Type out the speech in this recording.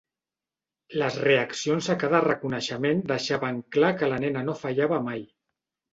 Les reaccions a cada reconeixement deixaven clar que la nena no fallava mai.